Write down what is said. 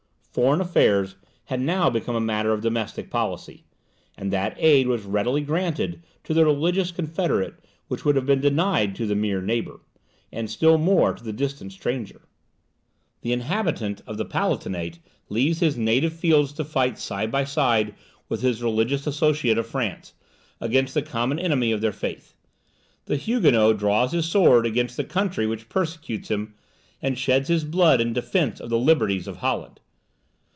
Foreign affairs had now become a matter of domestic policy, and that aid was readily granted to the religious confederate which would have been denied to the mere neighbour, and still more to the distant stranger. The inhabitant of the Palatinate leaves his native fields to fight side by side with his religious associate of France, against the common enemy of their faith. The Huguenot draws his sword against the country which persecutes him, and sheds his blood in defence of the liberties of Holland.